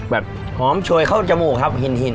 แบบของช่วยข้าวจมูกครับหินหิน